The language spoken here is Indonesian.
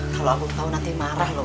ya dulu bara temen kemantannya